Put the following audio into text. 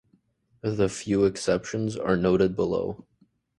The few exceptions are noted below.